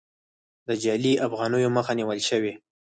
د جعلي افغانیو مخه نیول شوې؟